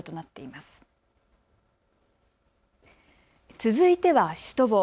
続いてはシュトボー。